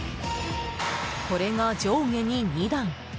これが上下に２段。